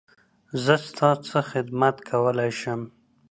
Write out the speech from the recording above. زه ستا څه خدمت کولی شم؟